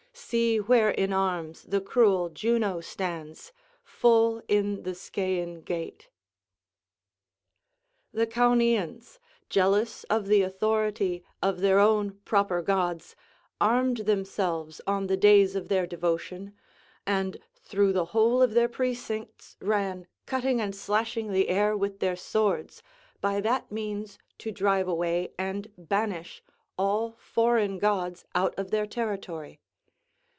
See where in arms the cruel Juno stands, Full in the Scæan gate." The Caunians, jealous of the authority of their own proper gods, armed themselves on the days of their devotion, and through the whole of their precincts ran cutting and slashing the air with their swords, by that means to drive away and banish all foreign gods out of their territory.